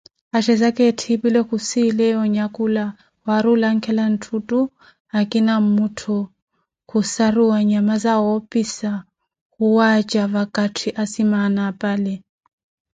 Axhezaka etthipile, khusileya onyakhula waarulankhale ntthutto na nkina mmuttho, khusaruwa nyama zawoopisa khuwattha vakatthi asimaana apale.